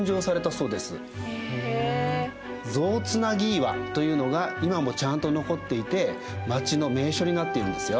象つなぎ岩というのが今もちゃんと残っていて町の名所になっているんですよ。